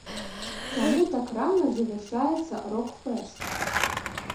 Чаму так рана завяршаецца рок-фэст?